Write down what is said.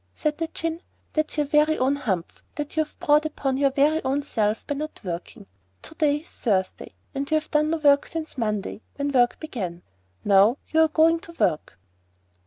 said the Djinn. 'That's your very own humph that you've brought upon your very own self by not working. To day is Thursday, and you've done no work since Monday, when the work began. Now you are going to work.